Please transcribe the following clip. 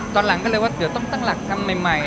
ตอนหลังก็เลยว่าต้องตั้งหลักทำใหม่